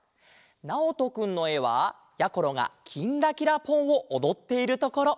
なおとくんのえはやころが「きんらきらぽん」をおどっているところ。